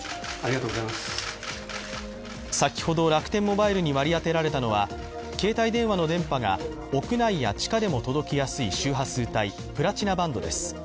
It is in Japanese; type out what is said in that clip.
先ほど、楽天モバイルに割り当てられたのは携帯電話の電波が屋内や地下でも届きやすい周波数帯、プラチナバンドです。